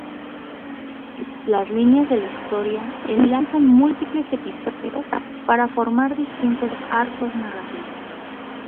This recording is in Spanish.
Las líneas de la historia enlazan múltiples episodios para formar distintos arcos narrativos.